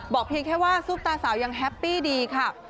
เพียงแค่ว่าซุปตาสาวยังแฮปปี้ดีค่ะ